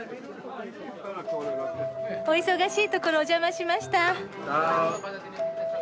お忙しいところお邪魔しました。